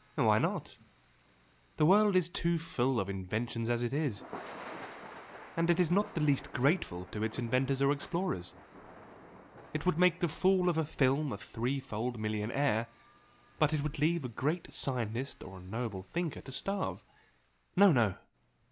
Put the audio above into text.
"Why not? The world is too full of inventions as it is and it is not the least grateful to its inventors or explorers. It would make the fool of a film a three fold millionaire but it would leave a great scientist or a noble thinker to starve. No, no!